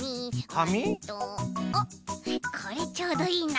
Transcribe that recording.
あっこれちょうどいいな。